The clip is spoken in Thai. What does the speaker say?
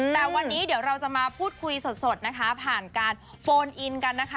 แต่วันนี้เดี๋ยวเราจะมาพูดคุยสดนะคะผ่านการโฟนอินกันนะคะ